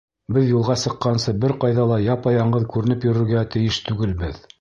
Беҙ юлға сыҡҡансы бер ҡайҙа ла япа-яңғыҙ күренеп йөрөргә тейеш түгелбеҙ.